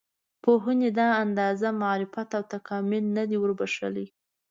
پوهنې دا اندازه معرفت او تکامل نه دی وربښلی.